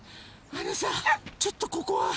あのさちょっとここは。